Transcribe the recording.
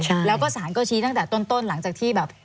สารชี้ก็ชี้ตั้งแต่ต้นหลังจากที่แบบ